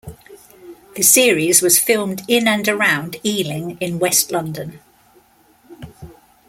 The series was filmed in and around Ealing in west London.